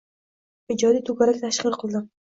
Ijodiy to‘garak tashkil qildim.